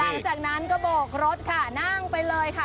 หลังจากนั้นก็โบกรถค่ะนั่งไปเลยค่ะ